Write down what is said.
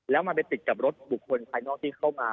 แล้วมันไปติดกับรถบุคคลภายนอกที่เข้ามา